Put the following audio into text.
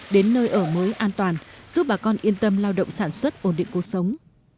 đến nơi ở mới an toàn giúp bà con yên tâm lao động sản xuất ổn định cuộc sống